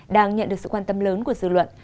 đang nhận được sự quan tâm lớn của dư luận